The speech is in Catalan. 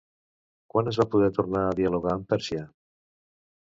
Quan es va poder tornar a dialogar amb Pèrsia?